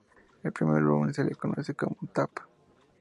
Al primer volumen se le conoce como "Tab.